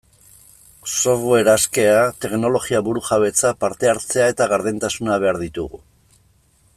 Software askea, teknologia burujabetza, parte-hartzea eta gardentasuna behar ditugu.